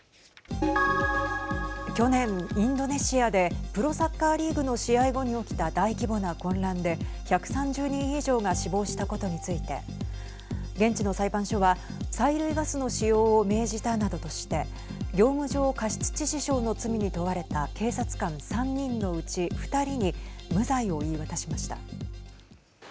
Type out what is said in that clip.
去年、インドネシアでプロサッカーリーグの試合後に起きた大規模な混乱で１３０人以上が死亡したことについて現地の裁判所は催涙ガスの使用を命じたなどとして業務上過失致死傷の罪に問われた警察官３人のうち２人に無罪を言い渡しました。